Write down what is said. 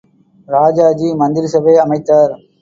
ராஜாஜி மந்திரிசபை அமைத்தார்.